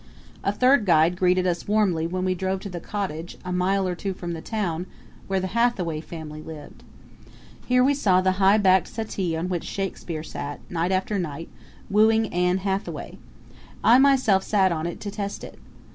A third guide greeted us warmly when we drove to the cottage, a mile or two from the town, where the Hathaway family lived. Here we saw the high backed settle on which Shakspere sat, night after night, wooing Anne Hathaway. I myself sat on it to test it.